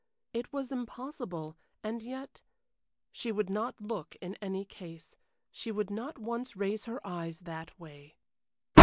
It was impossible and yet she would not look in any case. She would not once raise her eyes that way.